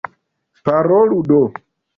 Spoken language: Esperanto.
Parolu do!